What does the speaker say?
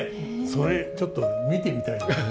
それちょっと見てみたいよね